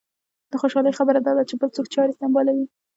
د خوشالۍ خبره دا ده چې بل څوک چارې سنبالوي.